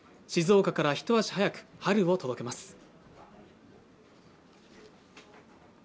静岡からひと足早く春を届けます